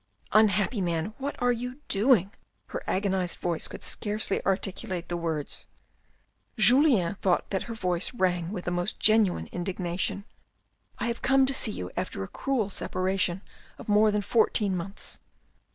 " Unhappy man. What are you doing ?" Her agonised voice could scarcely articulate the words. Julien thought that her voice rang with the most genuine indignation. " I have come to see you after a cruel separation of more than fourteen months."